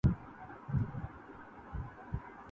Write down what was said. نظر میں کھٹکے ہے بن تیرے گھر کی آبادی